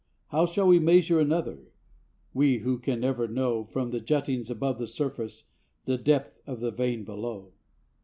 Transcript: How shall we measure another, we who can never know From the juttings above the surface the depth of the vein below?